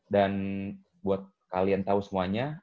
dan buat kalian tahu semuanya